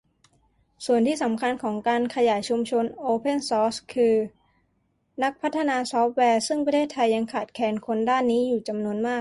ส่วนที่สำคัญของการขยายชุมชนโอเพ่นซอร์สคือ นักพัฒนาซอร์ฟแวร์ ซึ่งประเทศไทยยังขาดแคลนคนด้านนี้จำนวนมาก